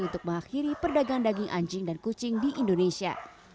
untuk mengakhiri perdagangan daging anjing dan kucing di indonesia